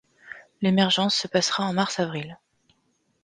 L'émergence se passera en mars-avril.